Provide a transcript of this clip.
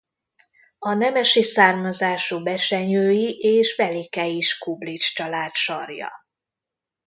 A nemesi származású besenyői és velikei Skublics család sarja.